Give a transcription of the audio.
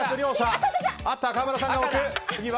川村さんが置く。